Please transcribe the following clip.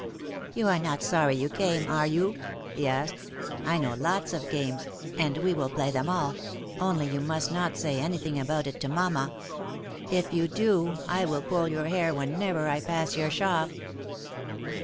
"You are not sorry you came, are you?" he asked. " I know lots of games, and we will play them all, only you must not say anything about it to mamma. If you do, I will pull your hair whenever I pass your shop."